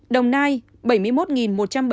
đồng nai bảy mươi một một trăm bảy mươi